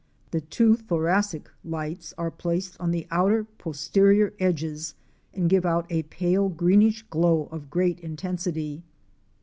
The two thoracic lights are placed on the outer posterior edges and give out a pale greenish glow of great intensity.